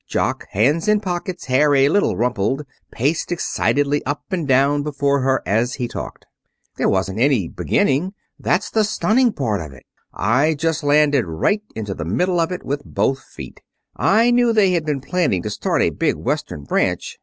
Jock, hands in pockets, hair a little rumpled, paced excitedly up and down before her as he talked. "There wasn't any beginning. That's the stunning part of it. I just landed right into the middle of it with both feet. I knew they had been planning to start a big Western branch.